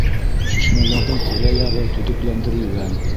Шишмәләрҙең тирә-яғы төҙөкләндерелгән.